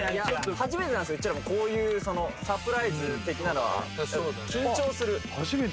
初めてなんですうちらもこういうそのサプライズ的なのは・そうだね